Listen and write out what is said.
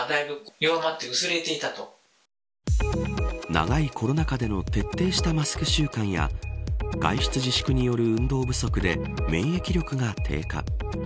長いコロナ禍での徹底したマスク習慣や外出自粛による運動不足で免疫力が低下。